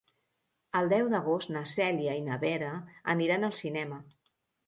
El deu d'agost na Cèlia i na Vera aniran al cinema.